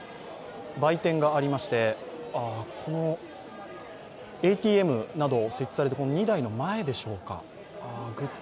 売店がありましてＡＴＭなど設置されたこの２台の前でしょうか。